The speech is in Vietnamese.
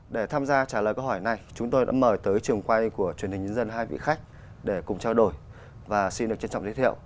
để tham gia trả lời câu hỏi này chúng tôi đã mời tới trường quay của truyền hình nhân dân hai vị khách để cùng trao đổi và xin được trân trọng giới thiệu